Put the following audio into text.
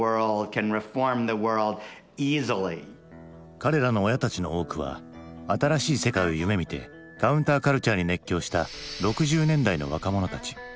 彼らの親たちの多くは新しい世界を夢みてカウンターカルチャーに熱狂した６０年代の若者たち。